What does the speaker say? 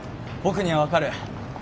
僕には分かる。